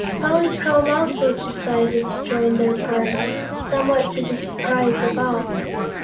Polychrome also decided to join their party, somewhat to the surprise of all.